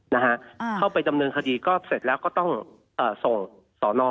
นะฮะอ่าเข้าไปดำเนินคดีก็เสร็จแล้วก็ต้องเอ่อส่งสอนอ